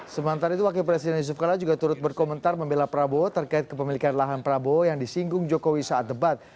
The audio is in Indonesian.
sementara itu wakil presiden yusuf kala juga turut berkomentar membela prabowo terkait kepemilikan lahan prabowo yang disinggung jokowi saat debat